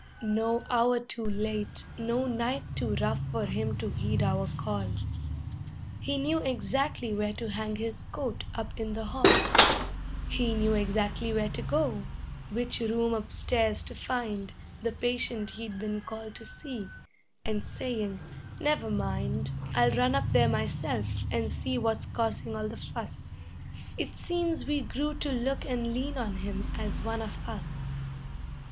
No hour too late, no night too rough for him to heed our call; He knew exactly where to hang his coat up in the hall; He knew exactly where to go, which room upstairs to find The patient he'd been called to see, and saying: "Never mind, I'll run up there myself and see what's causing all the fuss." It seems we grew to look and lean on him as one of us.